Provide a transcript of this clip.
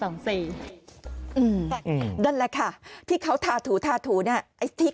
นั่นแหละค่ะที่เขาทาถูทาถูเนี่ย